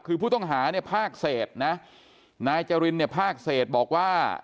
คือผู้ต้องหาเนี่ยภาคเศษนะนายจรินเนี่ยภาคเศษบอกว่า